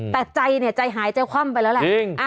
แต่ใจหายแต่คว่ำไปแล้วแหละ